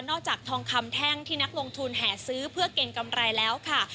อกจากทองคำแท่งที่นักลงทุนแห่ซื้อเพื่อเก่งกำไรแล้วค่ะ